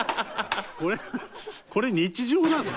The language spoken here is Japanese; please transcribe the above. これ日常なの？